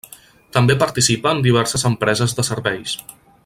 També participa en diverses empreses de serveis.